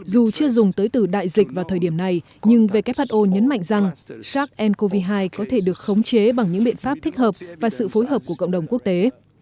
dù chưa dùng tới từ đại dịch vào thời điểm này nhưng who nhấn mạnh rằng sars cov hai có thể được khống chế bằng những biện pháp thích hợp và sự phối hợp của cộng đồng quốc tế